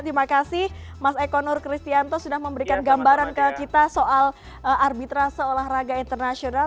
terima kasih mas eko nur kristianto sudah memberikan gambaran ke kita soal arbitrase olahraga internasional